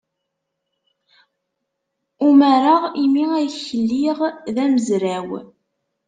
Umareɣ imi ay k-liɣ d amezraw.